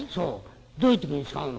「どういう時に使うの？」。